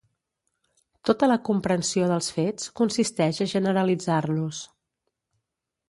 Tota la comprensió dels fets consisteix a generalitzar-los.